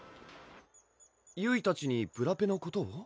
ゆいたちにブラペのことを？